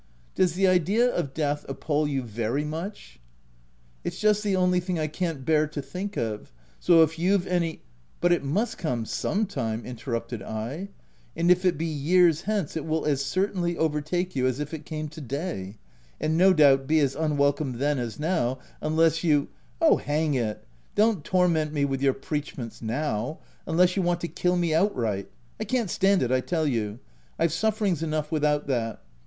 Does the idea of death appal you very much V 9 " It's just the only thing I can't bear to think of; so if you've any —"" But it must come sometime," interrupted I ;" and if it be years hence, it will as cer tainly overtake you as if it came to day, — and no doubt be as unwelcome then as now, unless you— "" Oh, hang it ! don't torment me with your preachments now r , unless you want to kill me outright — I can't stand it, I tell you — I've suf ferings enough without that.